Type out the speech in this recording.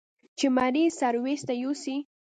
چې مريض سرويس ته يوسي.